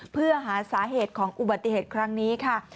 เพื่อหาสาเหตุของอุบัติเหตุครั้งนี้ค่ะ